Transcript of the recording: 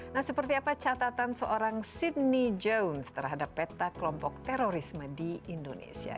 nah seperti apa catatan seorang sydney jones terhadap peta kelompok terorisme di indonesia